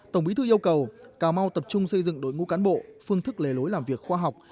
tổng bí thư yêu cầu cà mau tập trung xây dựng đội ngũ cán bộ phương thức lề lối làm việc khoa học